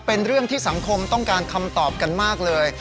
เป็นเรื่องที่สังคมต้องการคำตอบกันมากเลย